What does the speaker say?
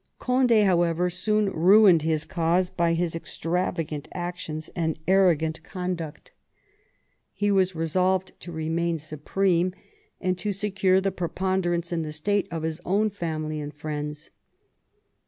Cond^, however, soon ruined his cause by his extravagant actions and arrogant con duct He was resolved to remain supreme, and to secure the preponderance in the State of his own family and friends.